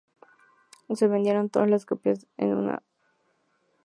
Se vendieron todas las copias en un día.